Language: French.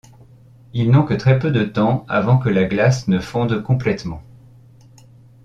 Ils n'ont que très peu de temps avant que la glace ne fonde complètement.